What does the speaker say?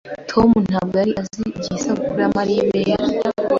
Tom ntabwo yari azi igihe isabukuru ya Mariya yari.